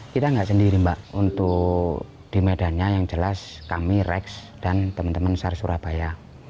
kita nggak sendiri mbak untuk di medannya yang jelas kami rex dan teman teman sar surabaya